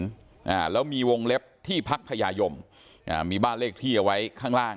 อ่าแล้วมีวงเล็บที่พักพญายมอ่ามีบ้านเลขที่เอาไว้ข้างล่าง